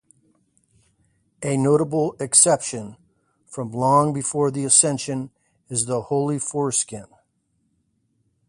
A notable exception, from long before the ascension, is the Holy Foreskin.